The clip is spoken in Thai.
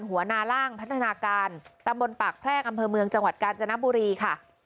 หัวหน้าล่างพัฒนาการตำบลปากแพรกอำเภอเมืองจังหวัดกาญจนบุรีค่ะ